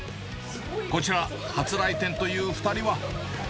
こちら、初来店という２人は。